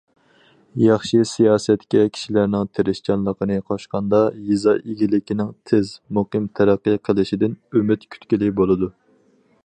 ياخشى سىياسەتكە كىشىلەرنىڭ تىرىشچانلىقىنى قوشقاندا، يېزا ئىگىلىكىنىڭ تېز، مۇقىم تەرەققىي قىلىشىدىن ئۈمىد كۈتكىلى بولىدۇ.